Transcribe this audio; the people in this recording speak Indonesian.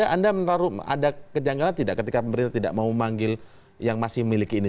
anda menaruh ada kejanggalan tidak ketika pemerintah tidak mau memanggil yang masih memiliki ini